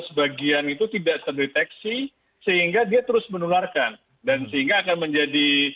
sebagian itu tidak terdeteksi sehingga dia terus menularkan dan sehingga akan menjadi